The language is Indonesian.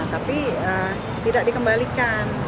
tapi tidak dikembalikan